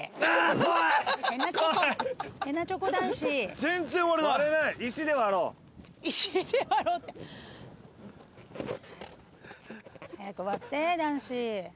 早く割って男子。